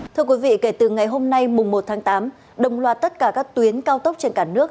thưa quý vị kể từ ngày hôm nay mùng một tháng tám đồng loạt tất cả các tuyến cao tốc trên cả nước